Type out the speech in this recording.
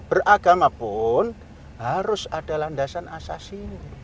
beragama pun harus ada landasan asasi